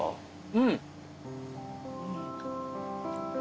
うん。